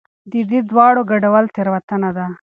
د دې دواړو ګډول تېروتنه ده.